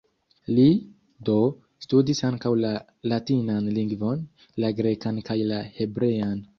Li, do, studis ankaŭ la latinan lingvon, la grekan kaj la hebrean.